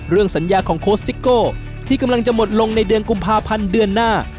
สัญญาของโค้ชซิโก้ที่กำลังจะหมดลงในเดือนกุมภาพันธ์เดือนหน้า